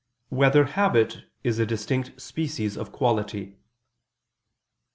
2] Whether Habit Is a Distinct Species of Quality?